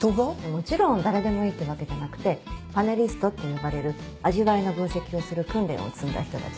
もちろん誰でもいいってわけじゃなくてパネリストって呼ばれる味わいの分析をする訓練を積んだ人たちがね。